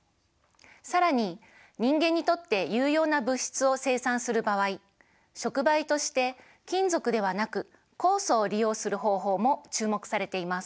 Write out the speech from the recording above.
更に人間にとって有用な物質を生産する場合触媒として金属ではなく酵素を利用する方法も注目されています。